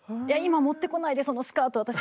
いや今持ってこないでそのスカート